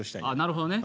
なるほどね。